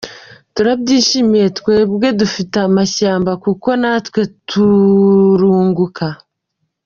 turabyishimime twebwe dufite amashamba kuko natwe turunguka.